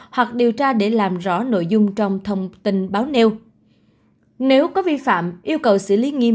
hoặc điều tra để làm rõ nội dung trong thông tin báo nêu nếu có vi phạm yêu cầu xử lý nghiêm